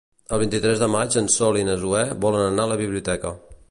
El vint-i-tres de maig en Sol i na Zoè volen anar a la biblioteca.